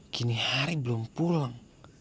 kini hari belum pulang